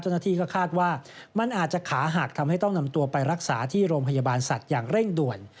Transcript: เจ้าหน้าที่ก็คาดว่ามันอาจจะขาหักทำให้ต้องนำตัวไปรักษาที่โรงพยาบาลสัตว์อย่างเร่งด่วน